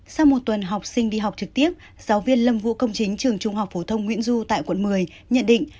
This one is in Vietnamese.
sau một tuần học sinh đi học trực tiếp giáo viên lâm vũ công chính trường trung học phổ thông nguyễn du tại quận một mươi nhận định